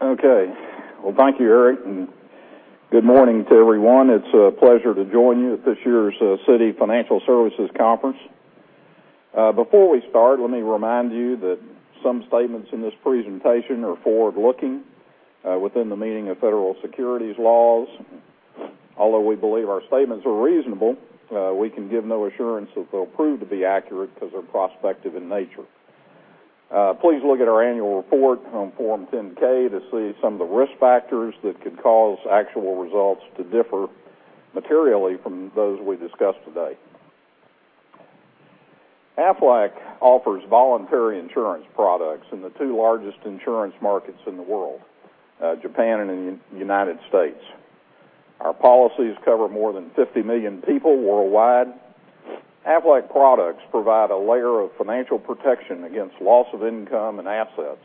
Okay. Well, thank you, Eric, and good morning to everyone. It's a pleasure to join you at this year's Citigroup US Financial Services Conference. Before we start, let me remind you that some statements in this presentation are forward-looking within the meaning of federal securities laws. Although we believe our statements are reasonable, we can give no assurance that they'll prove to be accurate because they're prospective in nature. Please look at our annual report on Form 10-K to see some of the risk factors that could cause actual results to differ materially from those we discuss today. Aflac offers voluntary insurance products in the two largest insurance markets in the world, Japan and the U.S. Our policies cover more than 50 million people worldwide. Aflac products provide a layer of financial protection against loss of income and assets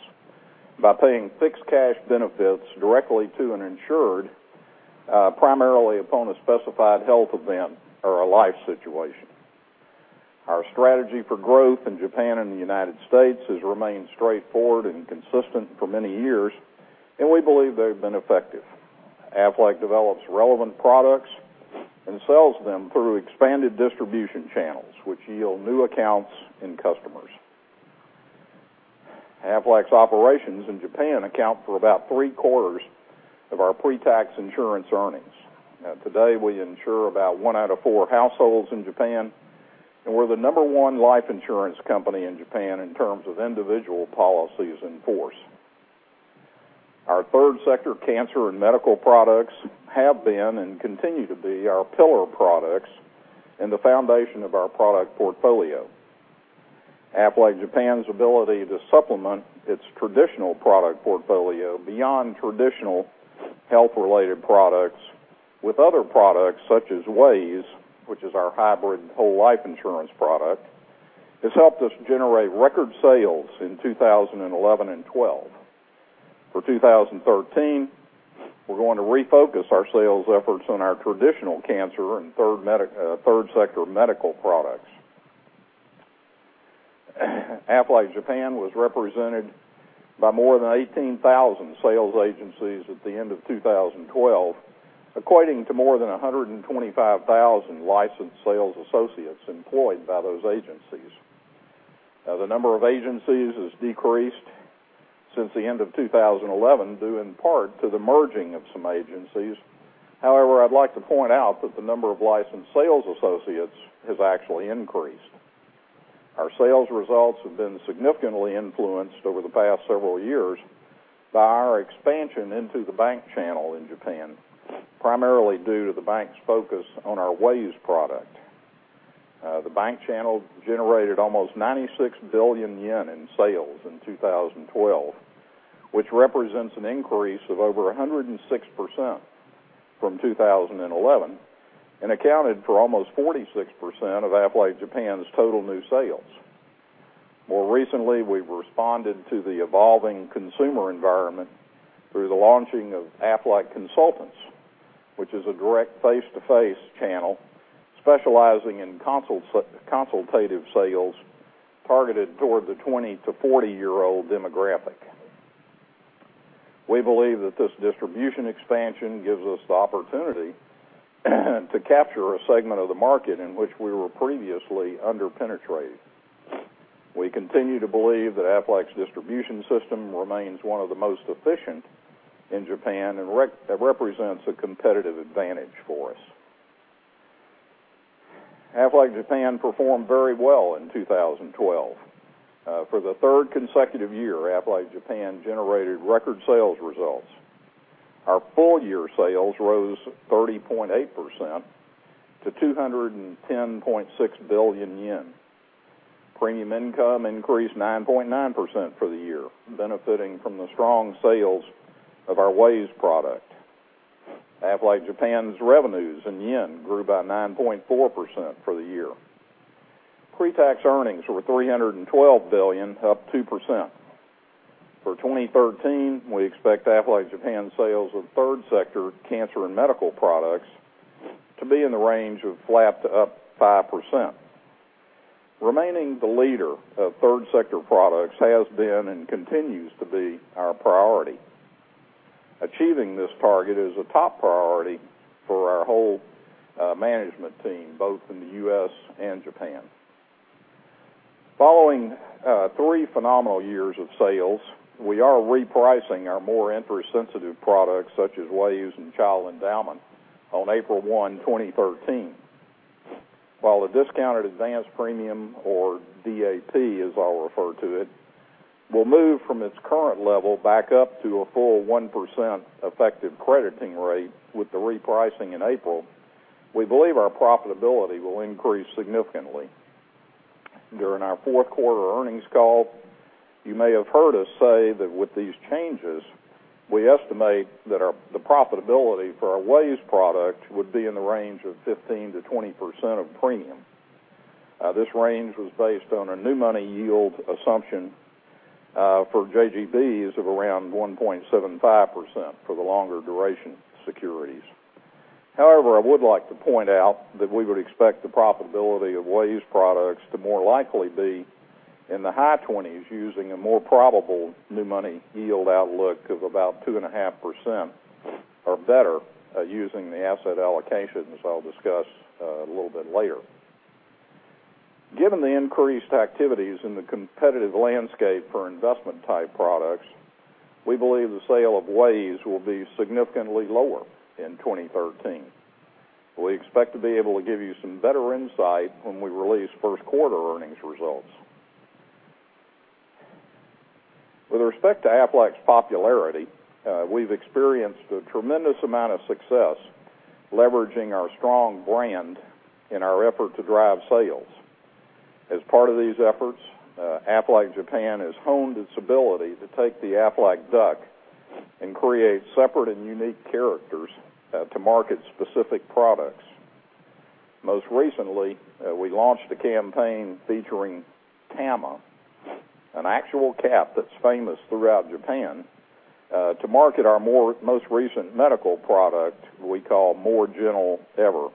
by paying fixed cash benefits directly to an insured, primarily upon a specified health event or a life situation. Our strategy for growth in Japan and the U.S. has remained straightforward and consistent for many years, and we believe they've been effective. Aflac develops relevant products and sells them through expanded distribution channels, which yield new accounts and customers. Aflac's operations in Japan account for about three-quarters of our pre-tax insurance earnings. Today, we insure about one out of four households in Japan, and we're the number one life insurance company in Japan in terms of individual policies in force. Our third sector cancer and medical products have been and continue to be our pillar products and the foundation of our product portfolio. Aflac Japan's ability to supplement its traditional product portfolio beyond traditional health-related products with other products such as WAYS, which is our hybrid whole-life insurance product, has helped us generate record sales in 2011 and 2012. For 2013, we're going to refocus our sales efforts on our traditional cancer and third sector medical products. Aflac Japan was represented by more than 18,000 sales agencies at the end of 2012, equating to more than 125,000 licensed sales associates employed by those agencies. The number of agencies has decreased since the end of 2011, due in part to the merging of some agencies. However, I'd like to point out that the number of licensed sales associates has actually increased. Our sales results have been significantly influenced over the past several years by our expansion into the bank channel in Japan, primarily due to the bank's focus on our WAYS product. The bank channel generated almost 96 billion yen in sales in 2012, which represents an increase of over 106% from 2011 and accounted for almost 46% of Aflac Japan's total new sales. More recently, we've responded to the evolving consumer environment through the launching of Aflac Consultants, which is a direct face-to-face channel specializing in consultative sales targeted toward the 20 to 40 year old demographic. We believe that this distribution expansion gives us the opportunity to capture a segment of the market in which we were previously under-penetrated. We continue to believe that Aflac's distribution system remains one of the most efficient in Japan and represents a competitive advantage for us. Aflac Japan performed very well in 2012. For the third consecutive year, Aflac Japan generated record sales results. Our full-year sales rose 30.8% to 210.6 billion yen. Premium income increased 9.9% for the year, benefiting from the strong sales of our WAYS product. Aflac Japan's revenues in JPY grew by 9.4% for the year. Pre-tax earnings were 312 billion, up 2%. For 2013, we expect Aflac Japan sales of third sector cancer and medical products to be in the range of flat to up 5%. Remaining the leader of third sector products has been and continues to be our priority. Achieving this target is a top priority for our whole management team, both in the U.S. and Japan. Following three phenomenal years of sales, we are repricing our more interest-sensitive products such as WAYS and child endowment on April 1, 2013. While the discounted advance premium, or DAP as I'll refer to it, will move from its current level back up to a full 1% effective crediting rate with the repricing in April, we believe our profitability will increase significantly. During our fourth quarter earnings call, you may have heard us say that with these changes, we estimate that the profitability for our WAYS product would be in the range of 15%-20% of premium. This range was based on a new money yield assumption for JGBs of around 1.75% for the longer duration securities. However, I would like to point out that we would expect the profitability of WAYS products to more likely be in the high 20s, using a more probable new money yield outlook of about 2.5% or better, using the asset allocations I'll discuss a little bit later. Given the increased activities in the competitive landscape for investment type products, we believe the sale of WAYS will be significantly lower in 2013. We expect to be able to give you some better insight when we release first quarter earnings results. With respect to Aflac's popularity, we've experienced a tremendous amount of success leveraging our strong brand in our effort to drive sales. As part of these efforts, Aflac Japan has honed its ability to take the Aflac Duck and create separate and unique characters to market specific products. Most recently, we launched a campaign featuring Tama, an actual cat that's famous throughout Japan, to market our most recent medical product we call More Gentle EVER.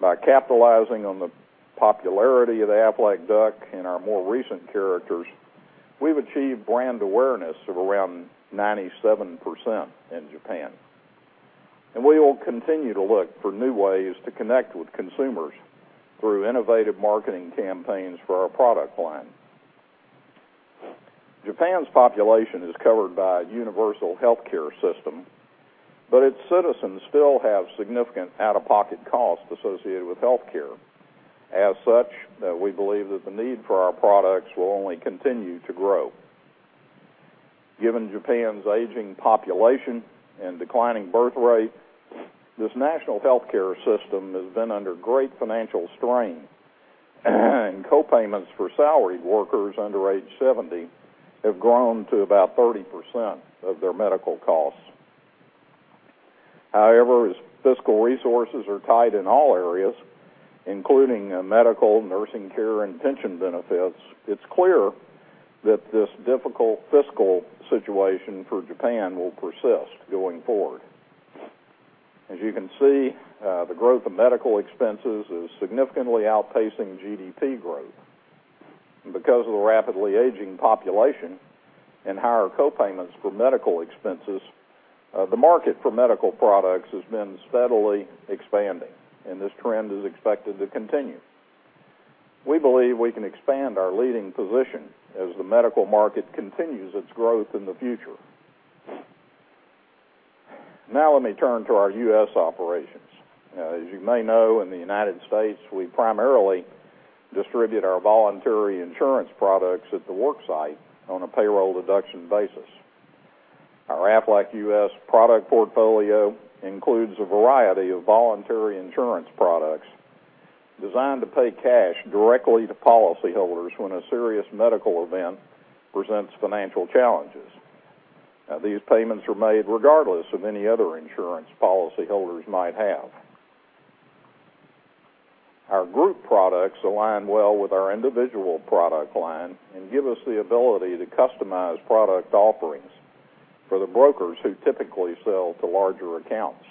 By capitalizing on the popularity of the Aflac Duck and our more recent characters, we've achieved brand awareness of around 97% in Japan. We will continue to look for new ways to connect with consumers through innovative marketing campaigns for our product line. Japan's population is covered by a universal healthcare system, but its citizens still have significant out-of-pocket costs associated with healthcare. As such, we believe that the need for our products will only continue to grow. Given Japan's aging population and declining birth rate, this national healthcare system has been under great financial strain, and co-payments for salaried workers under age 70 have grown to about 30% of their medical costs. However, as fiscal resources are tight in all areas, including medical, nursing care, and pension benefits, it's clear that this difficult fiscal situation for Japan will persist going forward. As you can see, the growth of medical expenses is significantly outpacing GDP growth. Because of the rapidly aging population and higher co-payments for medical expenses, the market for medical products has been steadily expanding, and this trend is expected to continue. We believe we can expand our leading position as the medical market continues its growth in the future. Let me turn to our U.S. operations. As you may know, in the United States, we primarily distribute our voluntary insurance products at the worksite on a payroll deduction basis. Our Aflac U.S. product portfolio includes a variety of voluntary insurance products designed to pay cash directly to policyholders when a serious medical event presents financial challenges. These payments are made regardless of any other insurance policyholders might have. Our group products align well with our individual product line and give us the ability to customize product offerings for the brokers who typically sell to larger accounts.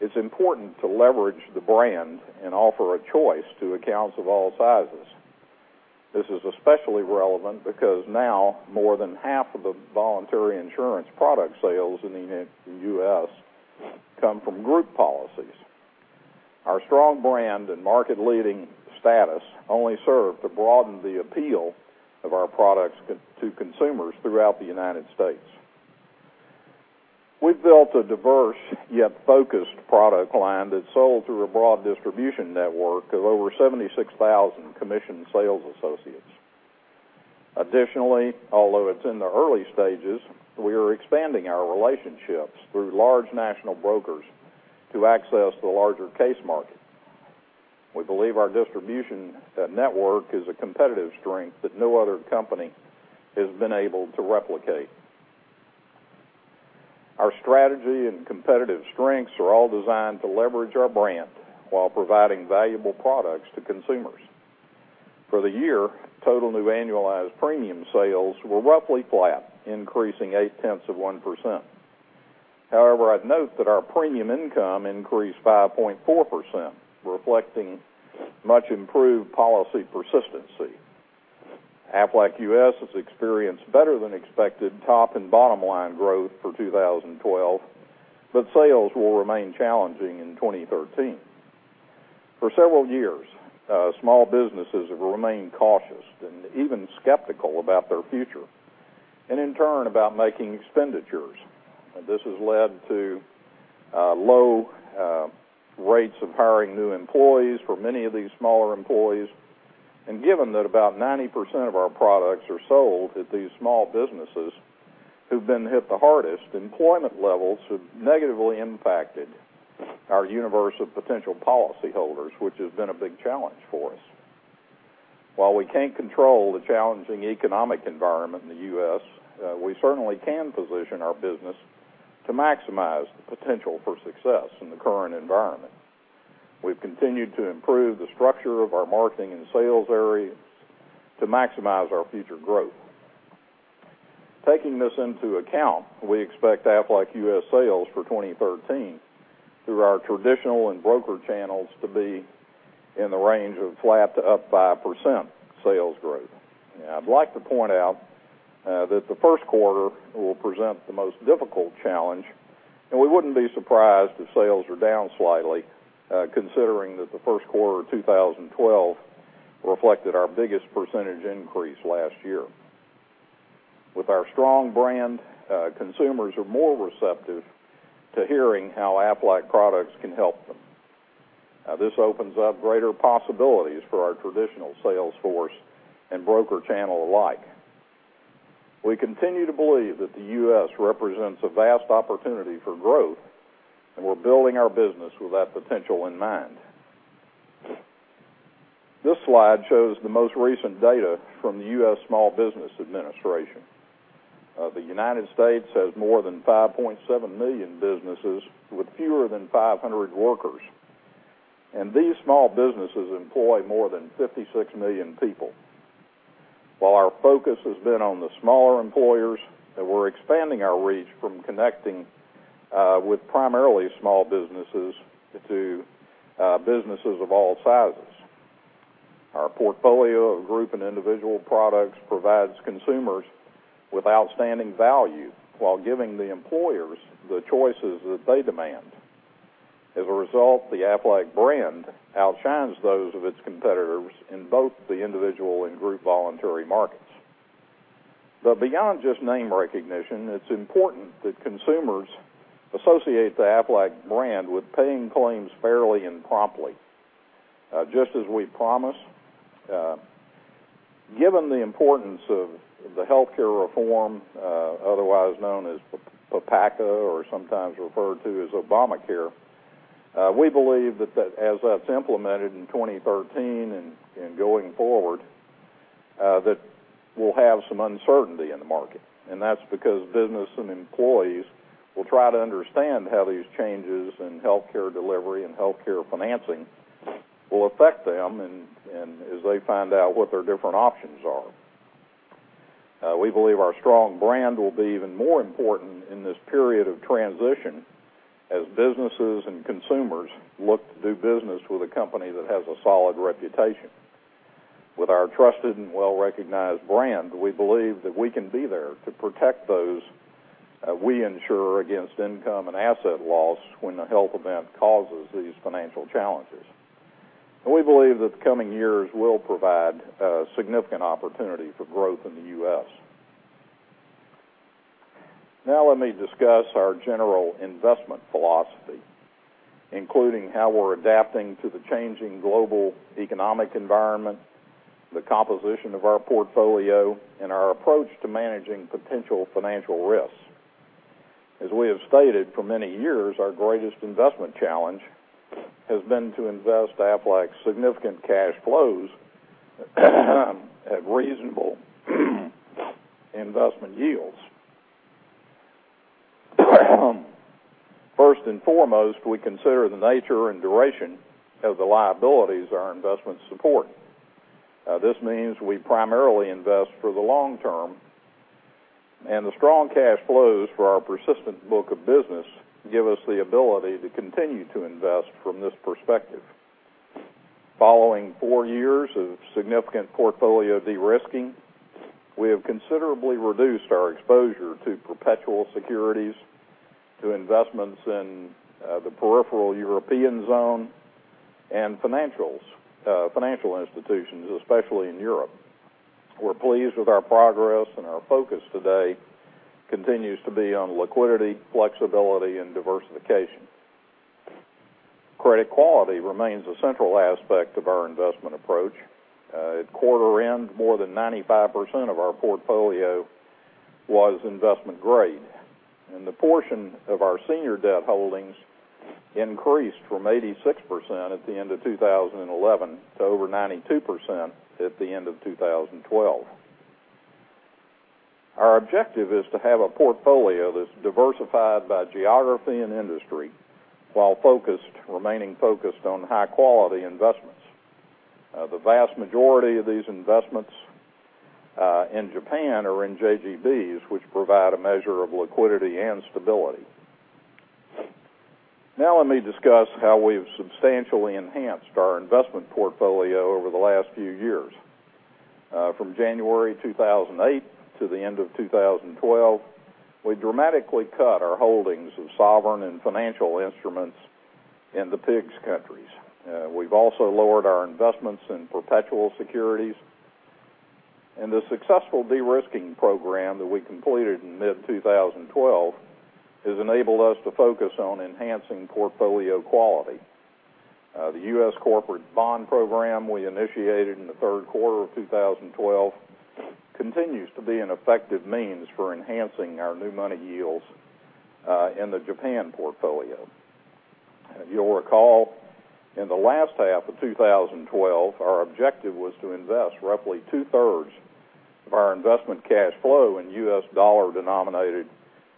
It's important to leverage the brand and offer a choice to accounts of all sizes. This is especially relevant because now more than half of the voluntary insurance product sales in the U.S. come from group policies. Our strong brand and market leading status only serve to broaden the appeal of our products to consumers throughout the United States. We've built a diverse, yet focused product line that's sold through a broad distribution network of over 76,000 commissioned sales associates. Although it's in the early stages, we are expanding our relationships through large national brokers to access the larger case market. We believe our distribution network is a competitive strength that no other company has been able to replicate. Our strategy and competitive strengths are all designed to leverage our brand while providing valuable products to consumers. For the year, total new annualized premium sales were roughly flat, increasing eight tenths of 1%. I'd note that our premium income increased 5.4%, reflecting much improved policy persistency. Aflac U.S. has experienced better than expected top and bottom line growth for 2012, but sales will remain challenging in 2013. For several years, small businesses have remained cautious and even skeptical about their future, and in turn, about making expenditures. This has led to low rates of hiring new employees for many of these smaller employers. Given that about 90% of our products are sold at these small businesses, who've been hit the hardest, employment levels have negatively impacted our universe of potential policyholders, which has been a big challenge for us. While we can't control the challenging economic environment in the U.S., we certainly can position our business to maximize the potential for success in the current environment. We've continued to improve the structure of our marketing and sales areas to maximize our future growth. Taking this into account, we expect Aflac U.S. sales for 2013 through our traditional and broker channels to be in the range of flat to up 5% sales growth. I'd like to point out that the first quarter will present the most difficult challenge, and we wouldn't be surprised if sales are down slightly, considering that the first quarter of 2012 reflected our biggest percentage increase last year. With our strong brand, consumers are more receptive to hearing how Aflac products can help them. This opens up greater possibilities for our traditional sales force and broker channel alike. We continue to believe that the U.S. represents a vast opportunity for growth, and we're building our business with that potential in mind. This slide shows the most recent data from the U.S. Small Business Administration. The United States has more than 5.7 million businesses with fewer than 500 workers. These small businesses employ more than 56 million people. While our focus has been on the smaller employers, we're expanding our reach from connecting with primarily small businesses to businesses of all sizes. Our portfolio of group and individual products provides consumers with outstanding value while giving the employers the choices that they demand. As a result, the Aflac brand outshines those of its competitors in both the individual and group voluntary markets. Beyond just name recognition, it's important that consumers associate the Aflac brand with paying claims fairly and promptly, just as we promise. Given the importance of the healthcare reform, otherwise known as PPACA or sometimes referred to as Obamacare, we believe that as that's implemented in 2013 and going forward, that we'll have some uncertainty in the market. That's because business and employees will try to understand how these changes in healthcare delivery and healthcare financing will affect them as they find out what their different options are. We believe our strong brand will be even more important in this period of transition as businesses and consumers look to do business with a company that has a solid reputation. With our trusted and well-recognized brand, we believe that we can be there to protect those we insure against income and asset loss when a health event causes these financial challenges. We believe that the coming years will provide a significant opportunity for growth in the U.S. Now let me discuss our general investment philosophy, including how we're adapting to the changing global economic environment, the composition of our portfolio, and our approach to managing potential financial risks. As we have stated for many years, our greatest investment challenge has been to invest Aflac's significant cash flows at reasonable investment yields. First and foremost, we consider the nature and duration of the liabilities our investments support. This means we primarily invest for the long term. The strong cash flows for our persistent book of business give us the ability to continue to invest from this perspective. Following four years of significant portfolio de-risking, we have considerably reduced our exposure to perpetual securities to investments in the peripheral European zone and financial institutions, especially in Europe. We're pleased with our progress. Our focus today continues to be on liquidity, flexibility, and diversification. Credit quality remains a central aspect of our investment approach. At quarter end, more than 95% of our portfolio was investment grade. The portion of our senior debt holdings increased from 86% at the end of 2011 to over 92% at the end of 2012. Our objective is to have a portfolio that's diversified by geography and industry while remaining focused on high-quality investments. The vast majority of these investments in Japan are in JGBs, which provide a measure of liquidity and stability. Now let me discuss how we've substantially enhanced our investment portfolio over the last few years. From January 2008 to the end of 2012, we dramatically cut our holdings of sovereign and financial instruments in the PIIGS countries. We've also lowered our investments in perpetual securities. The successful de-risking program that we completed in mid-2012 has enabled us to focus on enhancing portfolio quality. The U.S. corporate bond program we initiated in the third quarter of 2012 continues to be an effective means for enhancing our new money yields in the Japan portfolio. If you'll recall, in the last half of 2012, our objective was to invest roughly two-thirds of our investment cash flow in U.S. dollar-denominated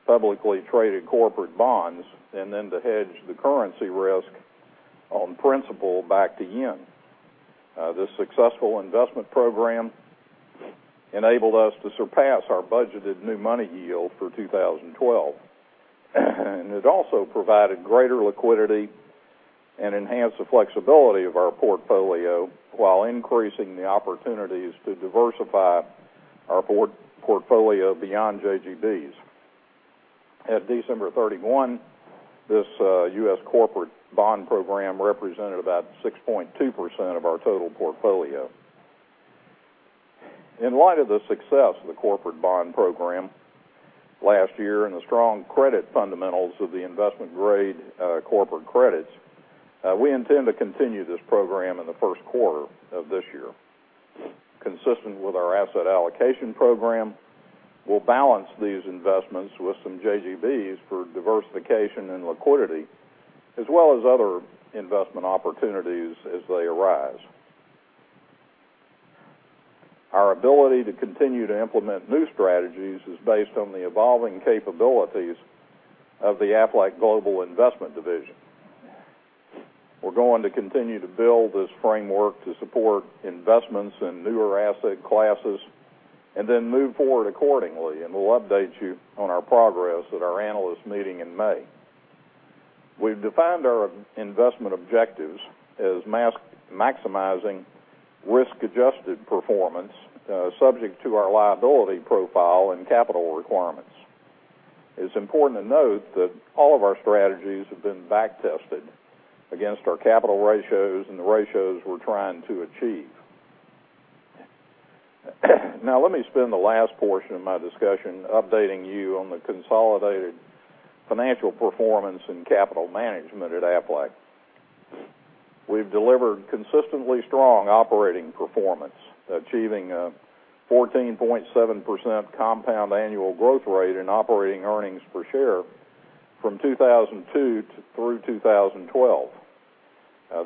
publicly traded corporate bonds and then to hedge the currency risk on principal back to yen. This successful investment program enabled us to surpass our budgeted new money yield for 2012. It also provided greater liquidity and enhanced the flexibility of our portfolio while increasing the opportunities to diversify our portfolio beyond JGBs. At December 31, this U.S. corporate bond program represented about 6.2% of our total portfolio. In light of the success of the corporate bond program last year and the strong credit fundamentals of the investment-grade corporate credits, we intend to continue this program in the first quarter of this year. Consistent with our asset allocation program, we'll balance these investments with some JGBs for diversification and liquidity, as well as other investment opportunities as they arise. Our ability to continue to implement new strategies is based on the evolving capabilities of the Aflac Global Investments Division. We're going to continue to build this framework to support investments in newer asset classes and then move forward accordingly, and we'll update you on our progress at our analyst meeting in May. We've defined our investment objectives as maximizing risk-adjusted performance, subject to our liability profile and capital requirements. It's important to note that all of our strategies have been back-tested against our capital ratios and the ratios we're trying to achieve. Now let me spend the last portion of my discussion updating you on the consolidated financial performance and capital management at Aflac. We've delivered consistently strong operating performance, achieving a 14.7% compound annual growth rate in operating earnings per share from 2002 through 2012.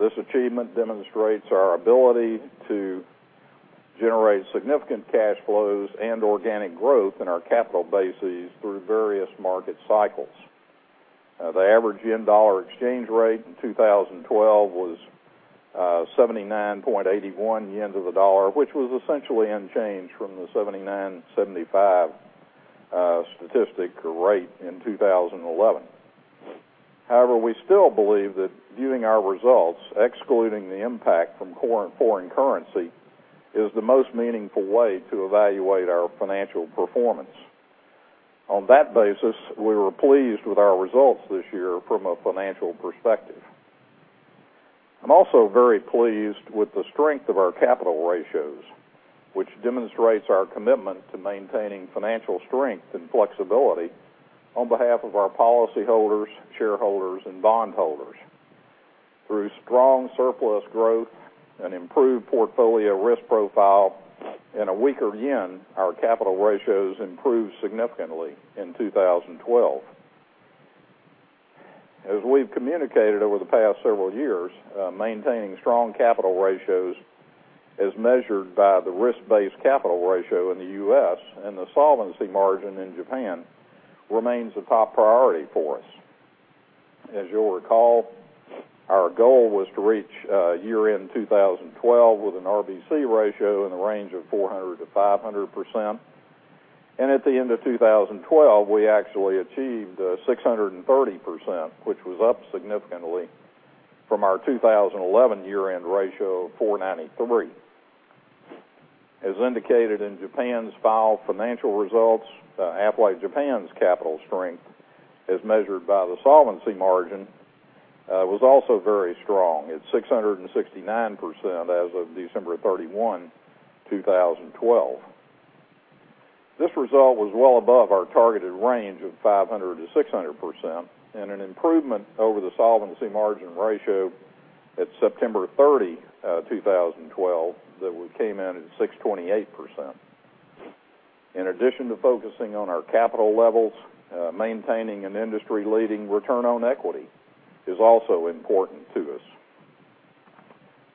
This achievement demonstrates our ability to generate significant cash flows and organic growth in our capital bases through various market cycles. The average JPY-dollar exchange rate in 2012 was 79.81 yen to the dollar, which was essentially unchanged from the 79.75 statistic or rate in 2011. However, we still believe that viewing our results, excluding the impact from foreign currency, is the most meaningful way to evaluate our financial performance. On that basis, we were pleased with our results this year from a financial perspective. I'm also very pleased with the strength of our capital ratios, which demonstrates our commitment to maintaining financial strength and flexibility on behalf of our policyholders, shareholders, and bondholders. Through strong surplus growth, an improved portfolio risk profile, and a weaker yen, our capital ratios improved significantly in 2012. As we've communicated over the past several years, maintaining strong capital ratios as measured by the risk-based capital ratio in the U.S. and the solvency margin in Japan remains a top priority for us. As you'll recall, our goal was to reach year-end 2012 with an RBC ratio in the range of 400%-500%, and at the end of 2012, we actually achieved 630%, which was up significantly from our 2011 year-end ratio of 493%. As indicated in Japan's filed financial results, Aflac Japan's capital strength, as measured by the solvency margin, was also very strong at 669% as of December 31, 2012. This result was well above our targeted range of 500%-600% and an improvement over the solvency margin ratio at September 30, 2012, that we came in at 628%. In addition to focusing on our capital levels, maintaining an industry-leading return on equity is also important to us.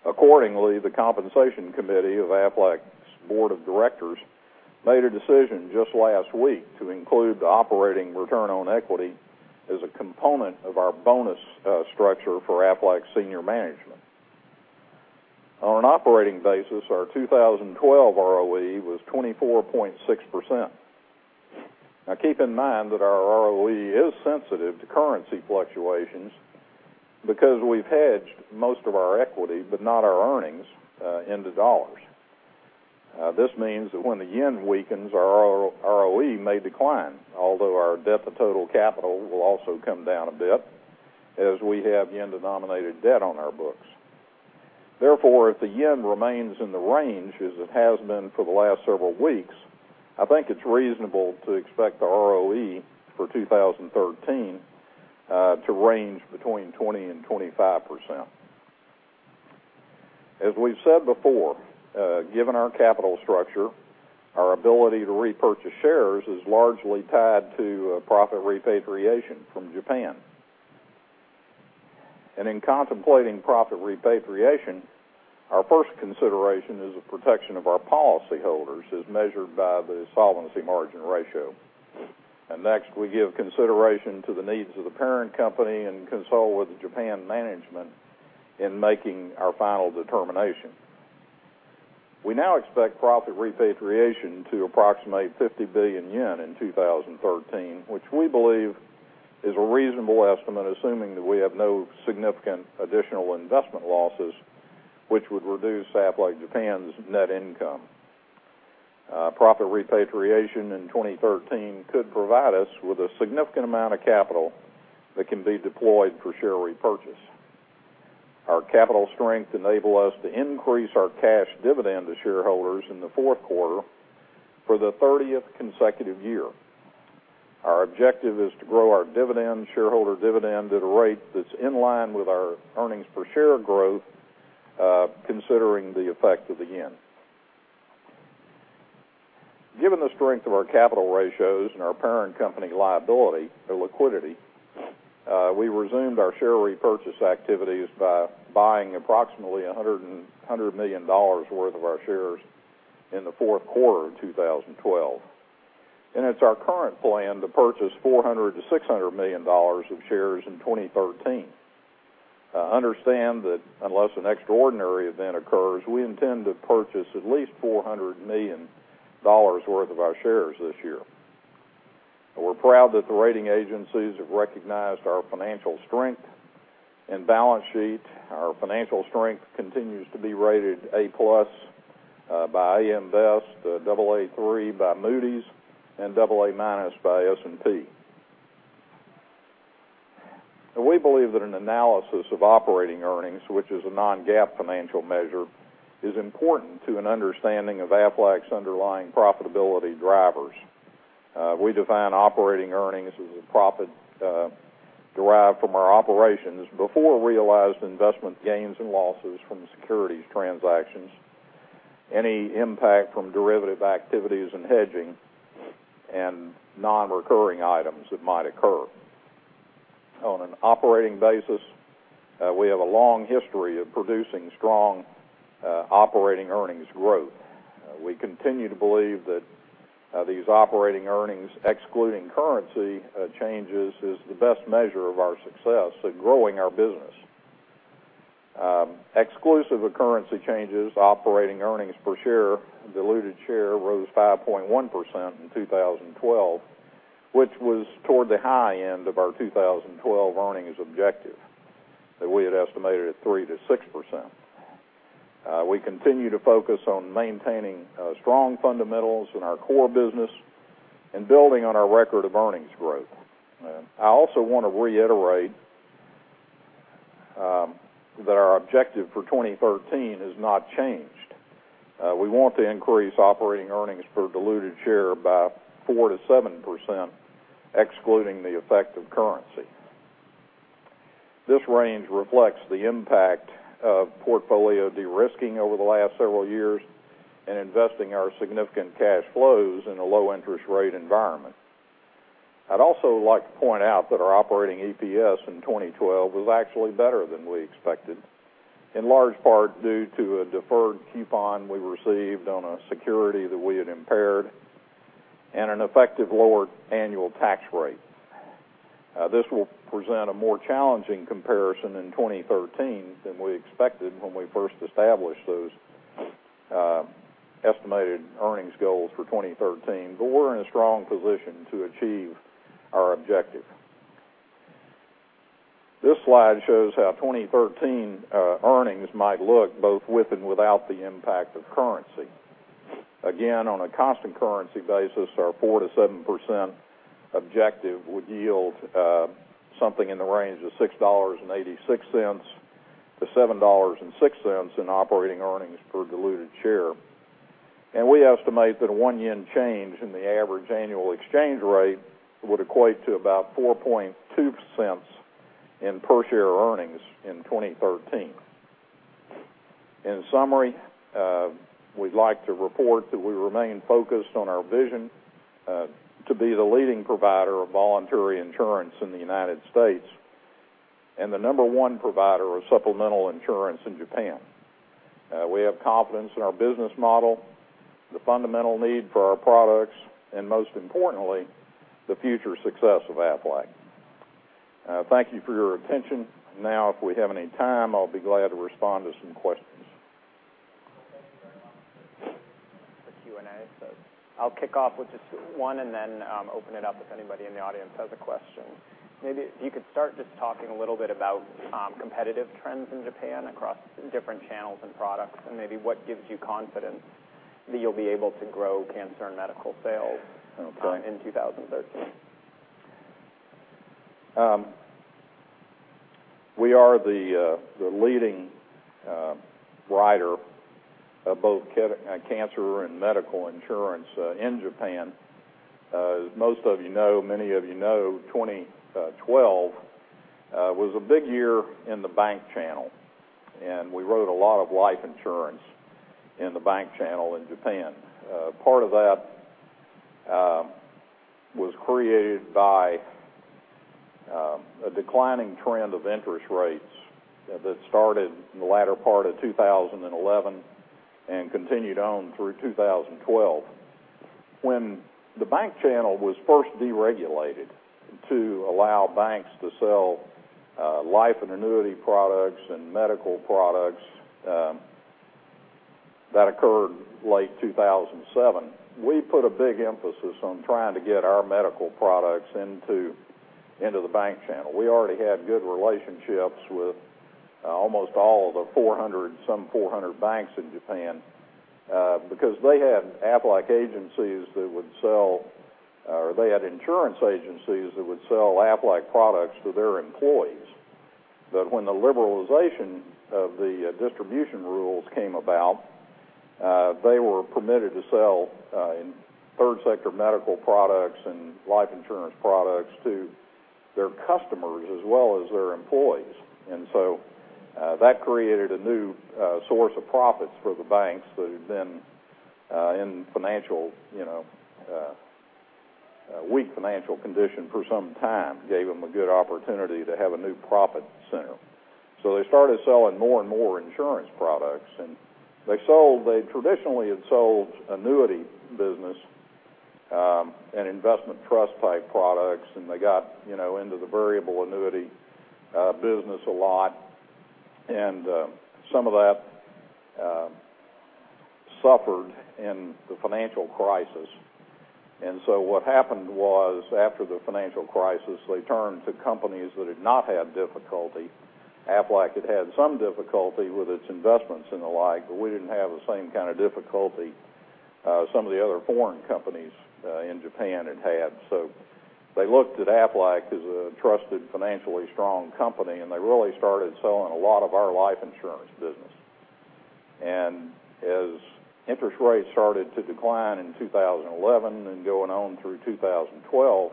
Accordingly, the compensation committee of Aflac's board of directors made a decision just last week to include the operating return on equity as a component of our bonus structure for Aflac senior management. On an operating basis, our 2012 ROE was 24.6%. Keep in mind that our ROE is sensitive to currency fluctuations because we've hedged most of our equity, but not our earnings, into dollars. This means that when the yen weakens, our ROE may decline, although our debt to total capital will also come down a bit, as we have yen-denominated debt on our books. If the yen remains in the range as it has been for the last several weeks, I think it's reasonable to expect the ROE for 2013 to range between 20%-25%. As we've said before, given our capital structure, our ability to repurchase shares is largely tied to profit repatriation from Japan. In contemplating profit repatriation, our first consideration is the protection of our policyholders as measured by the solvency margin ratio. Next, we give consideration to the needs of the parent company and consult with the Japan management in making our final determination. We now expect profit repatriation to approximate 50 billion yen in 2013, which we believe is a reasonable estimate, assuming that we have no significant additional investment losses, which would reduce Aflac Japan's net income. Profit repatriation in 2013 could provide us with a significant amount of capital that can be deployed for share repurchase. Our capital strength enable us to increase our cash dividend to shareholders in the fourth quarter for the 30th consecutive year. Our objective is to grow our shareholder dividend at a rate that's in line with our earnings per share growth, considering the effect of the yen. Given the strength of our capital ratios and our parent company liability or liquidity, we resumed our share repurchase activities by buying approximately $100 million worth of our shares in the fourth quarter of 2012. It's our current plan to purchase $400 million-$600 million of shares in 2013. Understand that unless an extraordinary event occurs, we intend to purchase at least $400 million worth of our shares this year. We're proud that the rating agencies have recognized our financial strength and balance sheet. Our financial strength continues to be rated A+ by AM Best, double A3 by Moody's, and double A minus by S&P. We believe that an analysis of operating earnings, which is a non-GAAP financial measure, is important to an understanding of Aflac's underlying profitability drivers. We define operating earnings as a profit derived from our operations before realized investment gains and losses from securities transactions, any impact from derivative activities and hedging, and non-recurring items that might occur. On an operating basis, we have a long history of producing strong operating earnings growth. We continue to believe that these operating earnings, excluding currency changes, is the best measure of our success in growing our business. Exclusive of currency changes, operating earnings per share, diluted share rose 5.1% in 2012, which was toward the high end of our 2012 earnings objective that we had estimated at 3%-6%. We continue to focus on maintaining strong fundamentals in our core business and building on our record of earnings growth. I also want to reiterate that our objective for 2013 has not changed. We want to increase operating earnings per diluted share by 4%-7%, excluding the effect of currency. This range reflects the impact of portfolio de-risking over the last several years and investing our significant cash flows in a low-interest rate environment. I'd also like to point out that our operating EPS in 2012 was actually better than we expected, in large part due to a deferred coupon we received on a security that we had impaired and an effective lower annual tax rate. This will present a more challenging comparison in 2013 than we expected when we first established those estimated earnings goals for 2013, but we're in a strong position to achieve our objective. This slide shows how 2013 earnings might look both with and without the impact of currency. Again, on a constant currency basis, our 4%-7% objective would yield something in the range of $6.86-$7.06 in operating earnings per diluted share. And we estimate that a one yen change in the average annual exchange rate would equate to about $0.042 in per share earnings in 2013. In summary, we'd like to report that we remain focused on our vision to be the leading provider of voluntary insurance in the United States and the number one provider of supplemental insurance in Japan. We have confidence in our business model, the fundamental need for our products, and most importantly, the future success of Aflac. Thank you for your attention. Now, if we have any time, I'll be glad to respond to some questions. Thank you very much. The Q&A. I'll kick off with just one and then open it up if anybody in the audience has a question. Maybe if you could start just talking a little bit about competitive trends in Japan across different channels and products, and maybe what gives you confidence that you'll be able to grow cancer and medical sales in 2013. We are the leading writer of both cancer and medical insurance in Japan. Most of you know, many of you know, 2012 was a big year in the bank channel, we wrote a lot of life insurance in the bank channel in Japan. Part of that was created by a declining trend of interest rates that started in the latter part of 2011 and continued on through 2012. When the bank channel was first deregulated to allow banks to sell life and annuity products and medical products, that occurred late 2007. We put a big emphasis on trying to get our medical products into the bank channel. We already had good relationships with almost all of the some 400 banks in Japan, because they had insurance agencies that would sell Aflac products to their employees. When the liberalization of the distribution rules came about, they were permitted to sell third sector medical products and life insurance products to their customers as well as their employees. That created a new source of profits for the banks who'd been in weak financial condition for some time, gave them a good opportunity to have a new profit center. They started selling more and more insurance products. They traditionally had sold annuity business, investment trust-type products, they got into the variable annuity business a lot, some of that suffered in the financial crisis. What happened was, after the financial crisis, they turned to companies that had not had difficulty. Aflac had had some difficulty with its investments and the like, but we didn't have the same kind of difficulty some of the other foreign companies in Japan had had. They looked at Aflac as a trusted, financially strong company, they really started selling a lot of our life insurance business. As interest rates started to decline in 2011 and going on through 2012,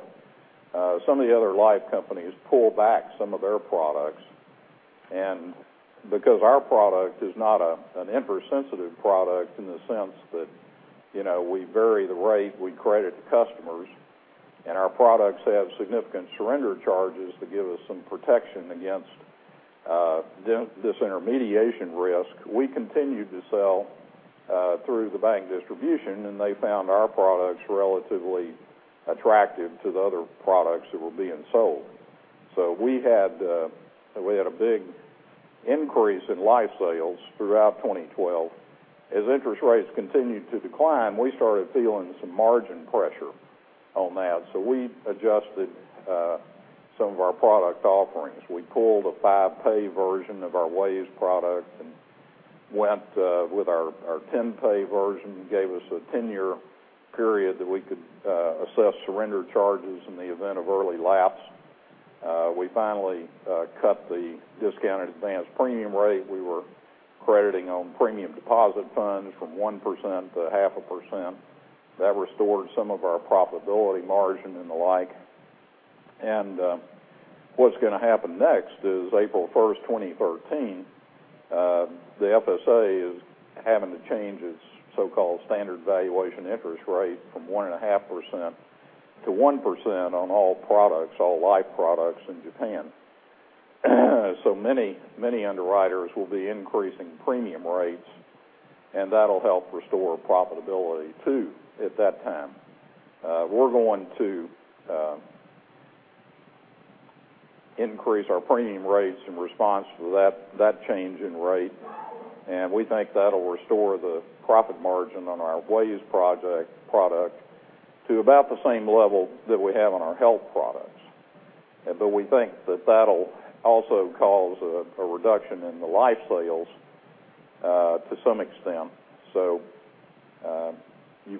some of the other life companies pulled back some of their products. Because our product is not an interest-sensitive product in the sense that we vary the rate, we credit the customers, our products have significant surrender charges to give us some protection against disintermediation risk, we continued to sell through the bank distribution, they found our products relatively attractive to the other products that were being sold. We had a big increase in life sales throughout 2012. As interest rates continued to decline, we started feeling some margin pressure on that. We adjusted some of our product offerings. We pulled a five-pay version of our WAYS product and went with our 10-pay version, gave us a 10-year period that we could assess surrender charges in the event of early lapse. We finally cut the discounted advance premium rate we were crediting on premium deposit funds from 1% to half a percent. That restored some of our profitability margin and the like. What's going to happen next is April 1st, 2013, the FSA is having to change its so-called standard valuation interest rate from 1.5% to 1% on all life products in Japan. Many underwriters will be increasing premium rates, that'll help restore profitability too at that time. We're going to increase our premium rates in response to that change in rate, we think that'll restore the profit margin on our WAYS product to about the same level that we have on our health products. We think that that'll also cause a reduction in the life sales to some extent. You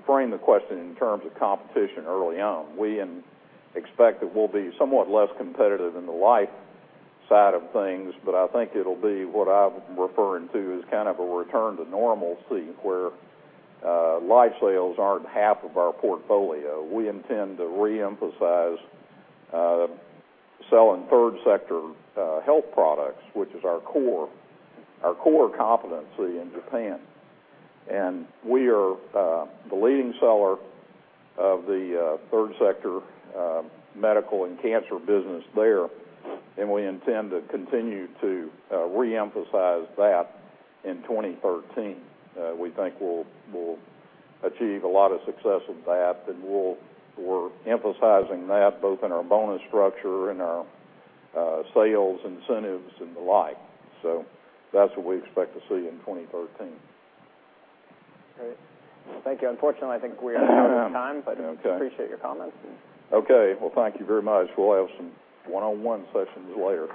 frame the question in terms of competition early on. We expect that we'll be somewhat less competitive in the life side of things, but I think it'll be what I'm referring to as kind of a return to normalcy, where life sales aren't half of our portfolio. We intend to reemphasize selling third sector health products, which is our core competency in Japan. We are the leading seller of the third sector medical and cancer business there, and we intend to continue to reemphasize that in 2013. We think we'll achieve a lot of success with that, and we're emphasizing that both in our bonus structure and our sales incentives and the like. That's what we expect to see in 2013. Great. Thank you. Unfortunately, I think we are out of time. Okay. Appreciate your comments. Okay. Well, thank you very much. We'll have some one-on-one sessions later.